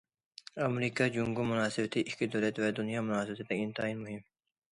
ئامېرىكا جۇڭگو مۇناسىۋىتى ئىككى دۆلەت ۋە دۇنيا مۇناسىۋىتىدە ئىنتايىن مۇھىم.